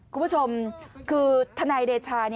คุณผู้ชมคือทนายเดชา